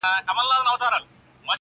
هغې وهلی اووه واري په قرآن هم يم,